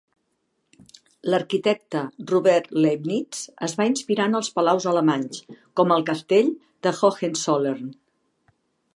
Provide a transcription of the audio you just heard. L'arquitecte, Robert Leibnitz, es va inspirar en els palaus alemanys, com el Castell de Hohenzollern.